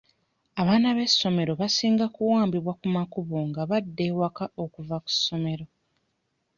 Abaana b'essomero basinga kuwambibwa ku makubo nga badda ewaka okuva ku ssomero..